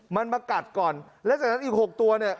มันมากัดก่อนและจากนั้นอีก๖ตัวเนี่ย